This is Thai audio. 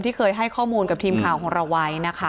ที่เคยให้ข้อมูลกับทีมข่าวของเราไว้นะคะ